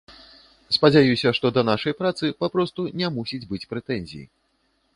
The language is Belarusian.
Спадзяюся, што да нашай працы папросту не мусіць быць прэтэнзій.